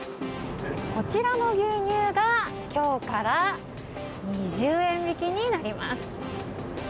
こちらの牛乳が今日から２０円引きになります。